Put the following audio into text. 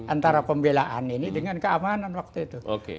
antara pembelaan ini dengan keamanan waktu itu